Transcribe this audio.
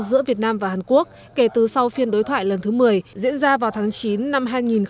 giữa việt nam và hàn quốc kể từ sau phiên đối thoại lần thứ một mươi diễn ra vào tháng chín năm hai nghìn một mươi tám